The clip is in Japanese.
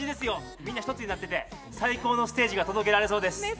みんな一つになってて、最高のステージが届けられそうです。